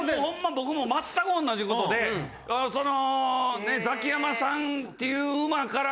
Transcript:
僕もまったく同じことでその。